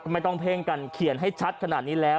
ไม่ต้องเพ่งกันเขียนให้ชัดขนาดนี้แล้ว